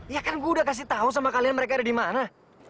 ya kan gue udah kasih tau sama kalian mereka ada di mana